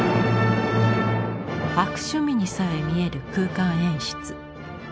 悪趣味にさえ見える空間演出。